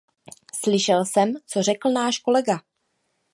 Slyšel jsem, co řekl náš kolega.